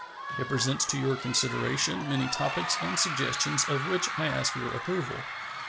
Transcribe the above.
It presents to your consideration many topics and suggestions of which I ask your approval.